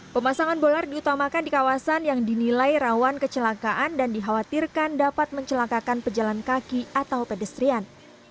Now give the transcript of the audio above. pemasangan bolar diutamakan di kawasan yang dinilai rawan kecelakaan dan dikhawatirkan dapat mencelakakan pejalan kaki atau pedestrian